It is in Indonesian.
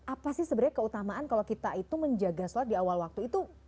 apa sih sebenarnya keutamaan kalau kita itu menjaga sholat di awal waktu itu